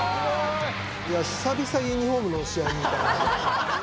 久々ユニフォームの試合見た。